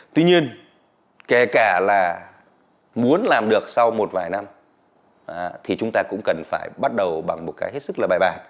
tuy nhiên kể cả là muốn làm được sau một vài năm thì chúng ta cũng cần phải bắt đầu bằng một cái hết sức là bài bản